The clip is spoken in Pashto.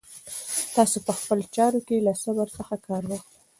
تاسو په خپلو چارو کې له صبر څخه کار واخلئ.